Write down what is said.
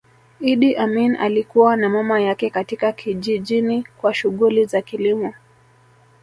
Idi Amin alikua na mama yake katika kijijini kwa shughuli za kilimo